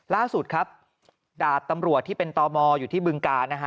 ล่าสุดครับดาบตำรวจที่เป็นตมอยู่ที่บึงกานะฮะ